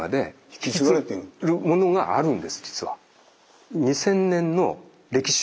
引き継ぐものがあるんです実は。